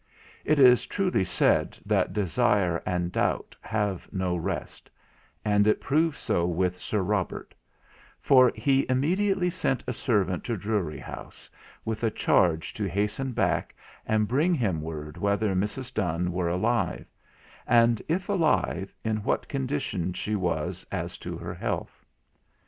It is truly said that desire and doubt have no rest; and it proved so with Sir Robert; for he immediately sent a servant to Drewry House, with a charge to hasten back and bring him word whether Mrs. Donne were alive; and, if alive, in what condition she was as to her health.